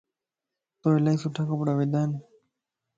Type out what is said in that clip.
تو الائي سھڻا ڪپڙا ودا ائين